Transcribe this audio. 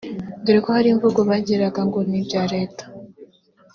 dore ko hari imvugo bagiraga ngo ni ibya Leta